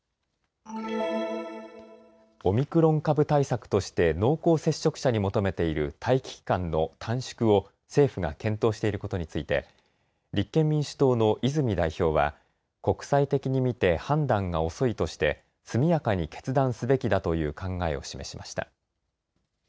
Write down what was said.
オミクロン株対策として濃厚接触者に求めている待機期間の短縮を政府が検討していることについて立憲民主党の泉代表は国際的に見て判断が遅いとして速やかに決断すべきだという考えを示しました。